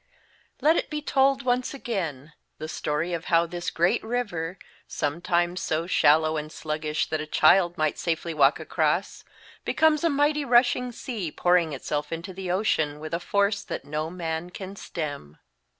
LET it be told once again the story of how this great river, sometimes so shallow and sluggish that a child might safely walk across, becomes a mighty rushing sea pouring itself into the ocean, with r, force that no man can stem.